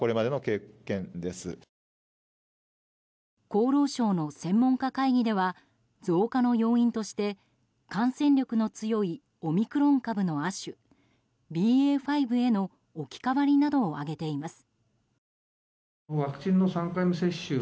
厚労省の専門家会議では増加の要因として感染力の強いオミクロン株の亜種ＢＡ．５への置き換わりなどを挙げています。